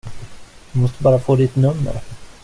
Jag måste bara få ditt nummer.